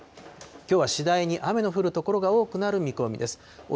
きょうは次第に雨の降る所が多くなる見込みです。